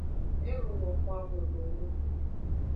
E luno xwan xwedowonu.